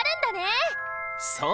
そう！